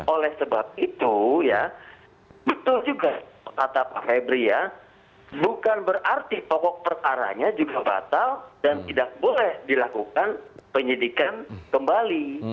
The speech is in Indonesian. oleh sebab itu ya betul juga kata pak febri ya bukan berarti pokok perkaranya juga batal dan tidak boleh dilakukan penyidikan kembali